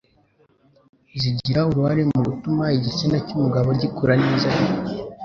zigira uruhare mu gutuma igitsina cy'umugabo gikura neza,